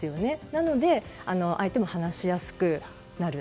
なので相手も話しやすくなる。